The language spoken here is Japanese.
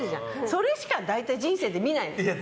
それしか大体、人生で見ない。